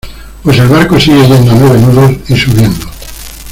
pues el barco sigue yendo a nueve nudos y subiendo.